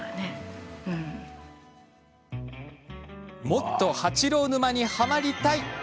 もっと八郎沼にはまりたい！